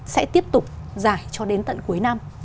sẽ tiếp tục dài cho đến tận cuối năm